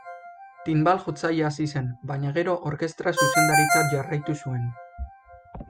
Tinbal-jotzaile hasi zen, baina gero orkestra-zuzendaritzat jarraitu zuen.